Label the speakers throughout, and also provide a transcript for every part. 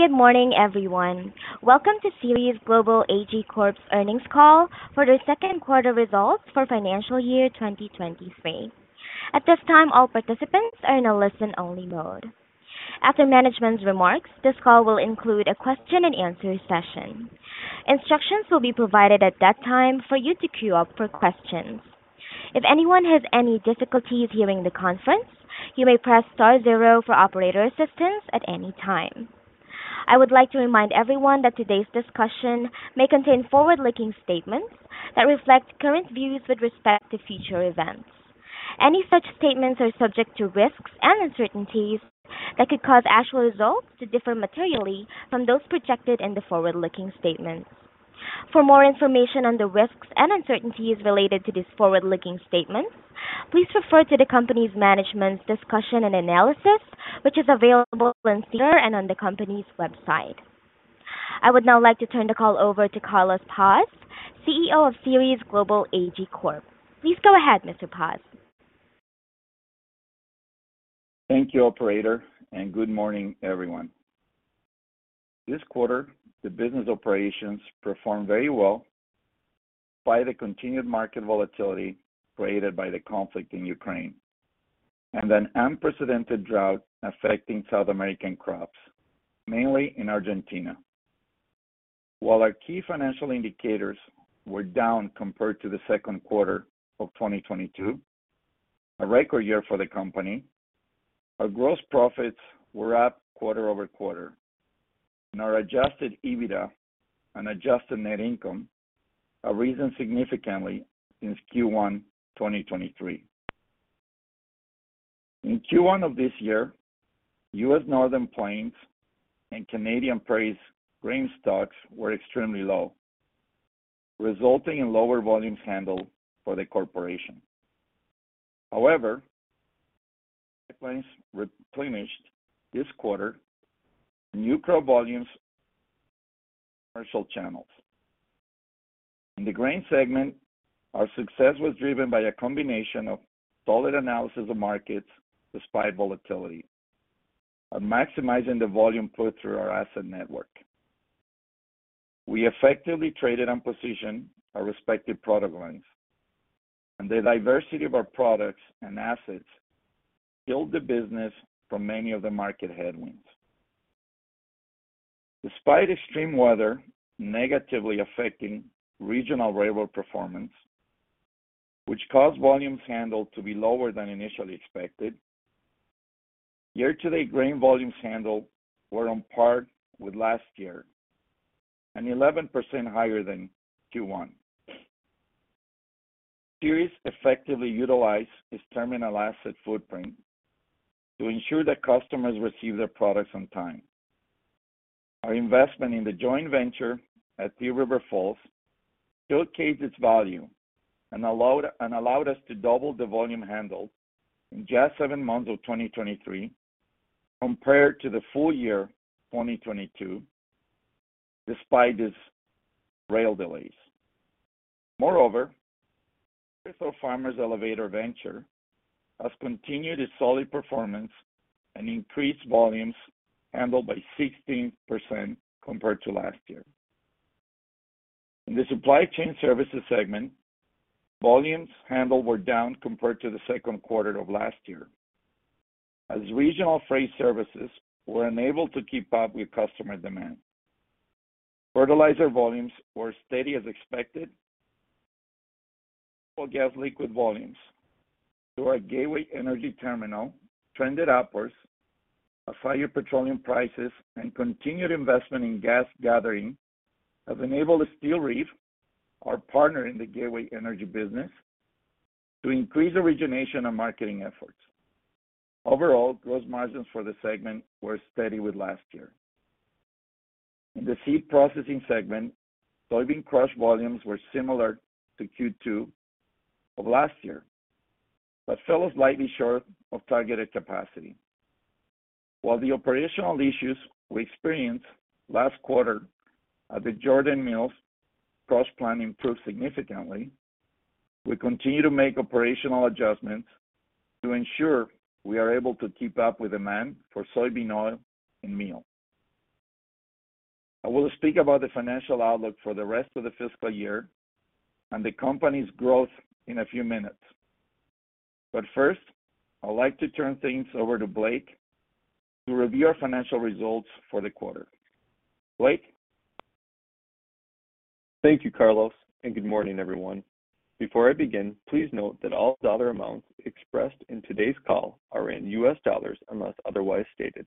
Speaker 1: Good morning, everyone. Welcome to Ceres Global Ag Corp.'s earnings call for their second quarter results for financial year 2023. At this time, all participants are in a listen-only mode. After management's remarks, this call will include a question-and-answer session. Instructions will be provided at that time for you to queue up for questions. If anyone has any difficulties hearing the conference, you may press star zero for operator assistance at any time. I would like to remind everyone that today's discussion may contain forward-looking statements that reflect current views with respect to future events. Any such statements are subject to risks and uncertainties that could cause actual results to differ materially from those projected in the forward-looking statements. For more information on the risks and uncertainties related to these forward-looking statements, please refer to the company's management's discussion and analysis, which is available on SEDAR and on the company's website. I would now like to turn the call over to Carlos Paz, CEO of Ceres Global Ag Corp. Please go ahead, Mr. Paz.
Speaker 2: Thank you, operator, and good morning, everyone. This quarter, the business operations performed very well by the continued market volatility created by the conflict in Ukraine and an unprecedented drought affecting South American crops, mainly in Argentina. While our key financial indicators were down compared to the second quarter of 2022, a record year for the company, our gross profits were up quarter-over-quarter and our adjusted EBITDA and adjusted net income have risen significantly since Q1 2023. In Q1 of this year, U.S. Northern Plains and Canadian Prairies grain stocks were extremely low, resulting in lower volumes handled for the corporation. pipelines replenished this quarter new crop volumes commercial channels. In the grain segment, our success was driven by a combination of solid analysis of markets despite volatility and maximizing the volume put through our asset network. We effectively traded and positioned our respective product lines. The diversity of our products and assets build the business from many of the market headwinds. Despite extreme weather negatively affecting regional railroad performance, which caused volumes handled to be lower than initially expected, year-to-date grain volumes handled were on par with last year and 11% higher than Q1. Ceres effectively utilized its terminal asset footprint to ensure that customers receive their products on time. Our investment in the joint venture at Thief River Falls showcased its value and allowed us to double the volume handled in just seven months of 2023 compared to the full year of 2022 despite these rail delays. Moreover, our Berthold Farmers Elevator venture has continued its solid performance and increased volumes handled by 16% compared to last year. In the supply chain services segment, volumes handled were down compared to the second quarter of last year as regional freight services were unable to keep up with customer demand. Fertilizer volumes were steady as expected. Natural gas liquid volumes through our Gateway Energy Terminal trended upwards as higher petroleum prices and continued investment in gas gathering have enabled Steel Reef, our partner in the Gateway Energy business, to increase origination and marketing efforts. Overall, gross margins for the segment were steady with last year. In the seed processing segment, soybean crush volumes were similar to Q2 of last year but fell slightly short of targeted capacity. While the operational issues we experienced last quarter at the Jordan Mills crush plant improved significantly, we continue to make operational adjustments to ensure we are able to keep up with demand for soybean oil and meal. I will speak about the financial outlook for the rest of the fiscal year and the company's growth in a few minutes. First, I'd like to turn things over to Blake to review our financial results for the quarter. Blake.
Speaker 3: Thank you, Carlos. Good morning, everyone. Before I begin, please note that all dollar amounts expressed in today's call are in US dollars, unless otherwise stated.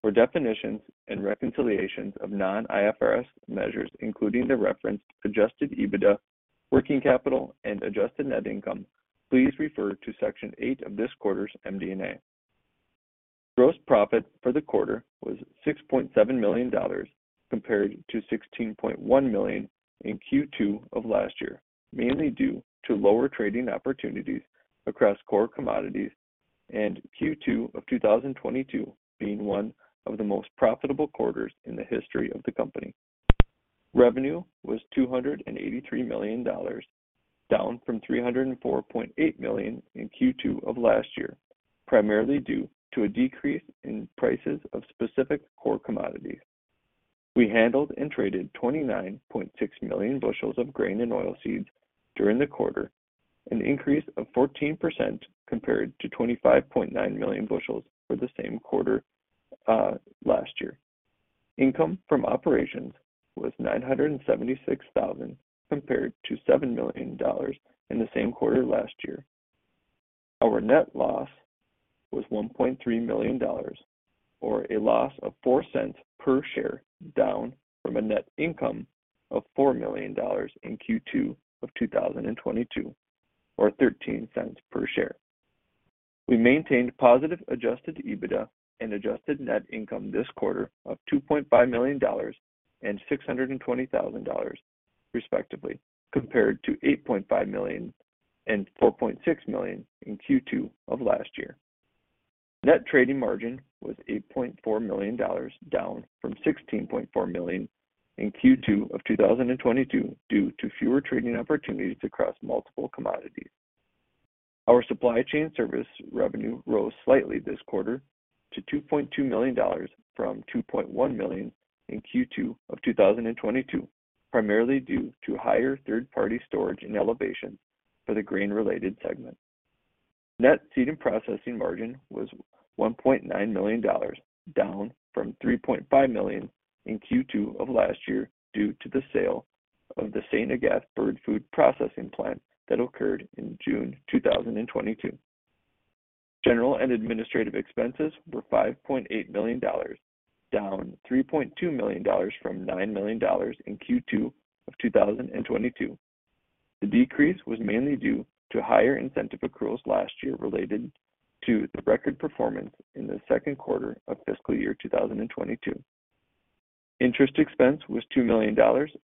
Speaker 3: For definitions and reconciliations of non-IFRS measures, including the referenced adjusted EBITDA, working capital, and adjusted net income, please refer to section eight of this quarter's MD&A. Gross profit for the quarter was $6.7 million compared to $16.1 million in Q2 of last year, mainly due to lower trading opportunities across core commodities and Q2 of 2022 being one of the most profitable quarters in the history of the company. Revenue was $283 million, down from $304.8 million in Q2 of last year, primarily due to a decrease in prices of specific core commodities. We handled and traded 29.6 million bushels of grain and oil seeds during the quarter, an increase of 14% compared to 25.9 million bushels for the same quarter last year. Income from operations was $976,000, compared to $7 million in the same quarter last year. Our net loss was $1.3 million, or a loss of $0.04 per share, down from a net income of $4 million in Q2 of 2022, or $0.13 per share. We maintained positive adjusted EBITDA and adjusted net income this quarter of $2.5 million and $620,000, respectively, compared to $8.5 million and $4.6 million in Q2 of last year. Net trading margin was $8.4 million, down from $16.4 million in Q2 of 2022 due to fewer trading opportunities across multiple commodities. Our supply chain service revenue rose slightly this quarter to $2.2 million from $2.1 million in Q2 of 2022, primarily due to higher third-party storage and elevation for the grain-related segment. Net seed and processing margin was $1.9 million, down from $3.5 million in Q2 of last year due to the sale of the St. Agathe bird food processing plant that occurred in June 2022. General and administrative expenses were $5.8 million, down $3.2 million from $9 million in Q2 of 2022. The decrease was mainly due to higher incentive accruals last year related to the record performance in the second quarter of fiscal year 2022. Interest expense was $2 million,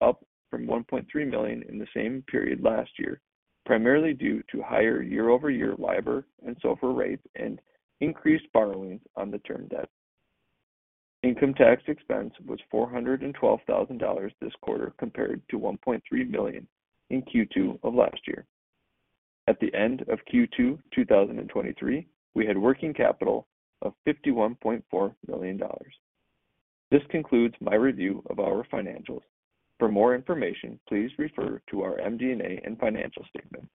Speaker 3: up from $1.3 million in the same period last year, primarily due to higher year-over-year LIBOR and SOFR rates and increased borrowings on the term debt. Income tax expense was $412,000 this quarter, compared to $1.3 million in Q2 of last year. At the end of Q2 2023, we had working capital of $51.4 million. This concludes my review of our financials. For more information, please refer to our MD&A and financial statement.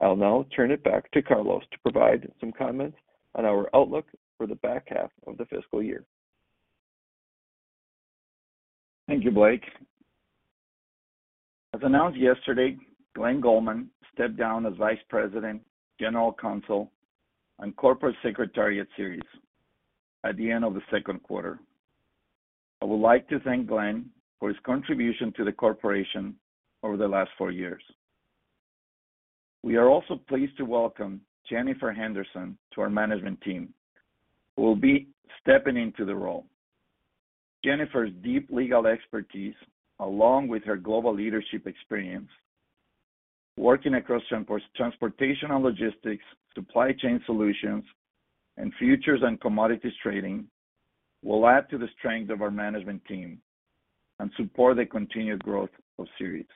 Speaker 3: I'll now turn it back to Carlos to provide some comments on our outlook for the back half of the fiscal year.
Speaker 2: Thank you, Blake. As announced yesterday, Glen Goldman stepped down as Vice President, General Counsel, and Corporate Secretary at Ceres at the end of the second quarter. I would like to thank Glen for his contribution to the corporation over the last four years. We are also pleased to welcome Jennifer Henderson to our management team, who will be stepping into the role. Jennifer's deep legal expertise, along with her global leadership experience, working across transportational logistics, supply chain solutions, and futures and commodities trading, will add to the strength of our management team and support the continued growth of Ceres.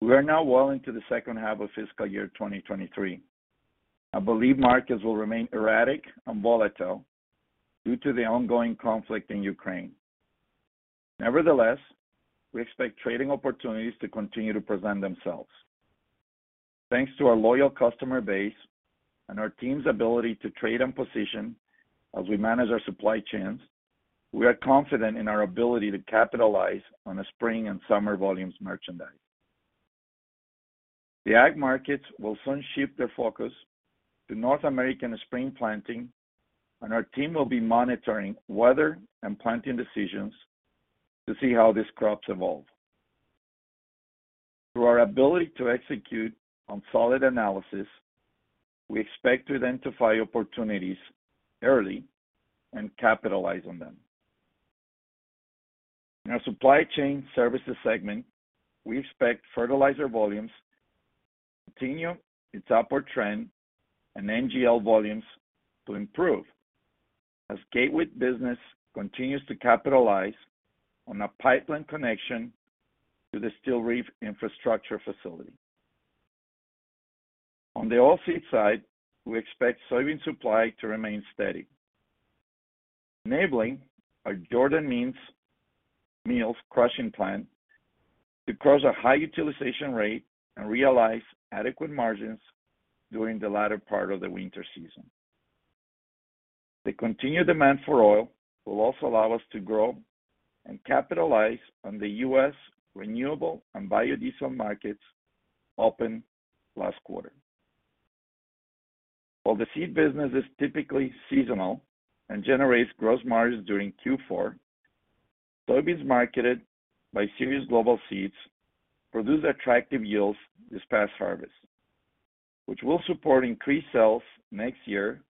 Speaker 2: We are now well into the second half of fiscal year 2023. I believe markets will remain erratic and volatile due to the ongoing conflict in Ukraine. We expect trading opportunities to continue to present themselves. Thanks to our loyal customer base and our team's ability to trade and position as we manage our supply chains, we are confident in our ability to capitalize on the spring and summer volumes merchandise. The ag markets will soon shift their focus to North American spring planting, and our team will be monitoring weather and planting decisions to see how these crops evolve. Through our ability to execute on solid analysis, we expect to identify opportunities early and capitalize on them. In our supply chain services segment, we expect fertilizer volumes to continue its upward trend and NGL volumes to improve as Gateway business continues to capitalize on a pipeline connection to the Steel Reef infrastructure facility. On the oilseed side, we expect soybean supply to remain steady, enabling our Jordan Mills crushing plant to cross a high utilization rate and realize adequate margins during the latter part of the winter season. The continued demand for oil will also allow us to grow and capitalize on the U.S. renewable and biodiesel markets opened last quarter. While the seed business is typically seasonal and generates gross margins during Q4, soybeans marketed by Ceres Global Seeds produced attractive yields this past harvest, which will support increased sales next year.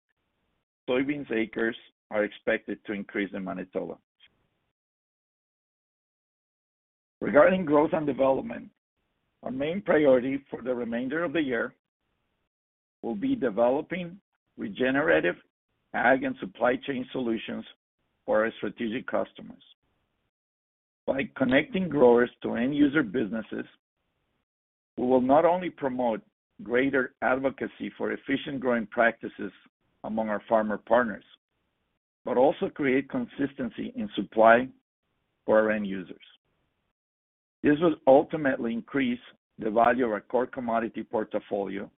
Speaker 2: Soybeans acres are expected to increase in Manitoba. Regarding growth and development, our main priority for the remainder of the year, we'll be developing regenerative ag and supply chain solutions for our strategic customers. By connecting growers to end user businesses, we will not only promote greater advocacy for efficient growing practices among our farmer partners, but also create consistency in supply for our end users. This will ultimately increase the value of our core commodity portfolio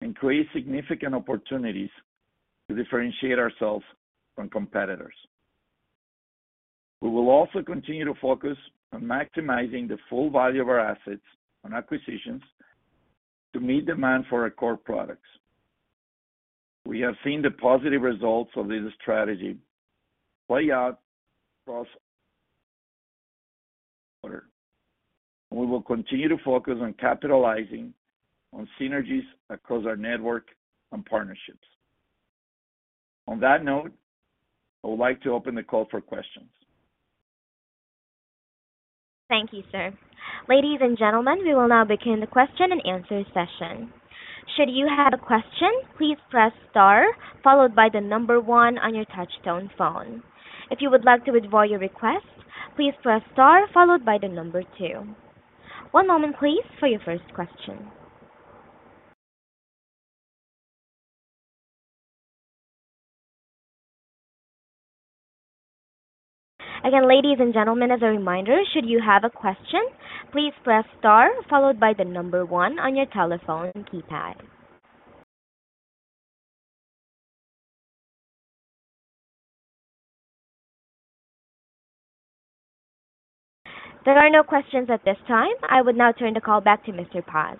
Speaker 2: and create significant opportunities to differentiate ourselves from competitors. We will also continue to focus on maximizing the full value of our assets and acquisitions to meet demand for our core products. We have seen the positive results of this strategy play out across and we will continue to focus on capitalizing on synergies across our network and partnerships. On that note, I would like to open the call for questions.
Speaker 1: Thank you, sir. Ladies and gentlemen, we will now begin the question and answer session. Should you have a question, please press star followed by the one on your touchtone phone. If you would like to withdraw your request, please press star followed by the two. One moment please, for your first question. Again, ladies and gentlemen, as a reminder, should you have a question, please press star followed by the one on your telephone keypad. There are no questions at this time. I would now turn the call back to Mr. Paz.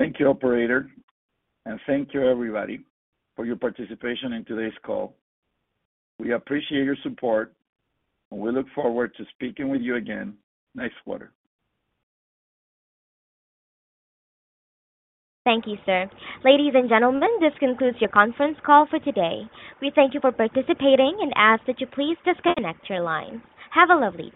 Speaker 2: Thank you, operator, and thank you everybody for your participation in today's call. We appreciate your support, and we look forward to speaking with you again next quarter.
Speaker 1: Thank you, sir. Ladies and gentlemen, this concludes your conference call for today. We thank you for participating and ask that you please disconnect your line. Have a lovely day.